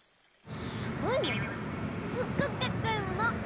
すっごくかっこいいもの！